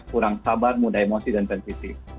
kurang sabar mudah emosi dan sensitif